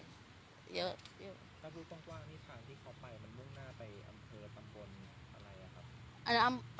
แล้วรู้กว้างนี่ทางที่เขาไปมันมุ่งหน้าไปอำเภอตำบลอะไรครับ